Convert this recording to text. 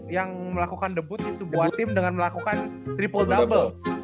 yang melakukan debut di sebuah tim dengan melakukan triple double